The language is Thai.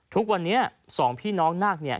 ทุกวันนี้๒พี่น้องนาคเนี่ย